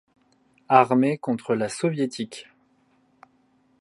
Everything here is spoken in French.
Armee contre la soviétique.